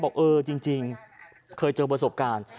บอกเออจริงเคยเจอประสบการณ์